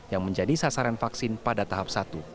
yang menjadi sasaran vaksin pada tahap satu